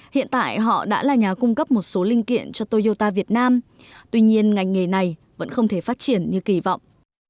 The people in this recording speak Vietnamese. hiện tại họ đã là nhà cung cấp một số linh kiện cho toyota việt nam tuy nhiên ngành nghề này vẫn không thể phát triển như kỳ vọng